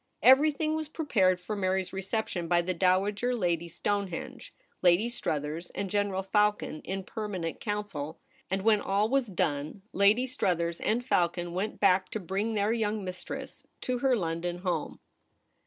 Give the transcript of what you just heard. Everything was prepared for Mary's re ception by the Dowager Lady Stonehenge, Lady Struthers, and General Falcon in per manent council ; and when all was done, Lady Struthers and Falcon went back to 156 THE REBEL ROSE. bring their young mistress to her London home.